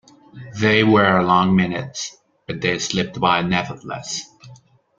They were long minutes, but they slipped by nevertheless.